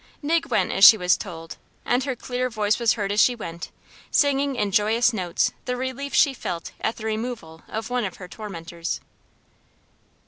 Nig went as she was told, and her clear voice was heard as she went, singing in joyous notes the relief she felt at the removal of one of her tormentors.